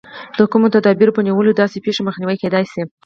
د کومو تدابیرو په نیولو د داسې پېښو مخنیوی کېدای شي.